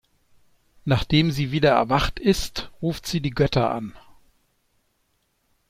Nachdem sie wieder erwacht ist, ruft sie die Götter an.